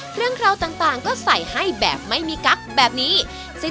เครื่องเคราะห์ต่างก็ใส่ให้แบบไม่มีกั๊กแบบนี้